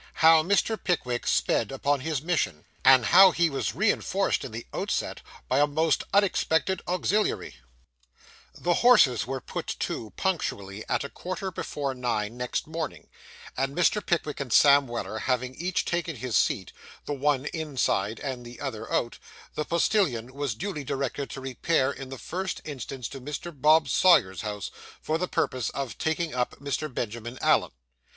HOW MR. PICKWICK SPED UPON HIS MISSION, AND HOW HE WAS REINFORCED IN THE OUTSET BY A MOST UNEXPECTED AUXILIARY The horses were put to, punctually at a quarter before nine next morning, and Mr. Pickwick and Sam Weller having each taken his seat, the one inside and the other out, the postillion was duly directed to repair in the first instance to Mr. Bob Sawyer's house, for the purpose of taking up Mr. Benjamin Allen.